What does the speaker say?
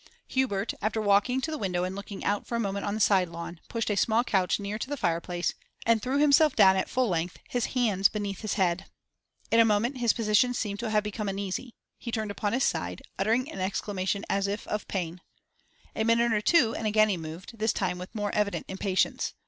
Hubert, after walking to the window and looking out for a moment on the side lawn, pushed a small couch near to the fireplace, and threw himself down at full length, his hands beneath his head. In a moment his position seemed to have become uneasy; he turned upon his side, uttering an exclamation as if of pain. A minute or two and again he moved, this time with more evident impatience.